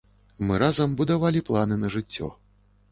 Мы разам будавалі планы на жыццё.